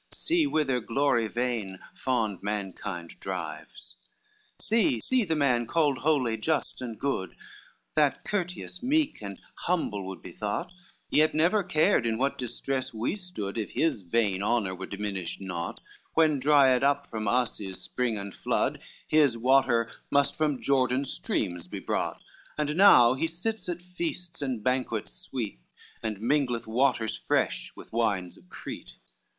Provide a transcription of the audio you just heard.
See whither glory vain, fond mankind drives. LXVII "See, see the man, called holy, just, and good, That courteous, meek, and humble would be thought, Yet never cared in what distress we stood If his vain honor were diminished naught, When dried up from us his spring and flood His water must from Jordan streams be brought, And how he sits at feasts and banquets sweet And mingleth waters fresh with wines of Crete."